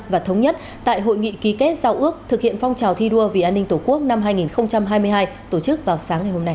và thống nhất tại hội nghị ký kết giao ước thực hiện phong trào thi đua vì an ninh tổ quốc năm hai nghìn hai mươi hai tổ chức vào sáng ngày hôm nay